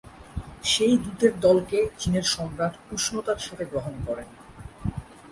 সেই দূতের দলকে চীনের সম্রাট উষ্ণতার সাথে গ্রহণ করেন।